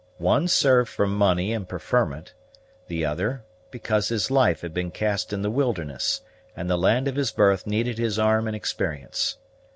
One served for money and preferment; the other, because his life had been cast in the wilderness, and the land of his birth needed his arm and experience.